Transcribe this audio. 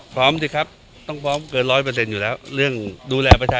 พร้อม๑๐๐ไหมคะทั้งโบกตีนทั้งการบริหารสถานการณ์สุด